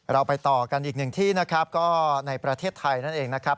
เราไปต่อกันอีกหนึ่งที่นะครับก็ในประเทศไทยนั่นเองนะครับ